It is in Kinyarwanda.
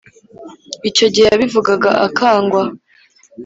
icyo gihe yabivugaga akangwa